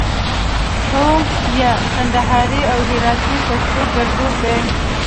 هو 👍 یا 👎 کندهاري او هراتي پښتو کړدود دی